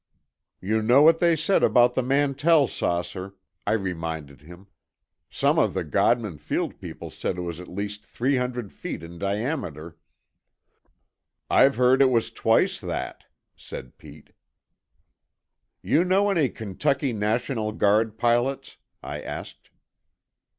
"You know what they said about the Mantell saucer," I reminded him. "Some of the Godman Field people said it was at least three hundred feet in diameter." "I've heard it was twice that," said Pete. "You know any Kentucky National Guard pilots?" I asked.